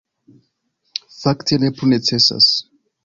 Fakte, ne plu necesas.